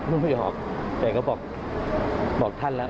พูดมันไม่ออกเดี๋ยวก็บอกท่านล่ะ